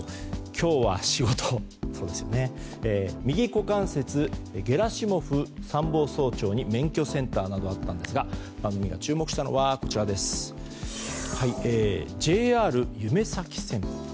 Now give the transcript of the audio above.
きょうは仕事、右股関節ゲラシモフ参謀総長に免許センターなどあったんですが番組が注目したのはＪＲゆめ咲線です。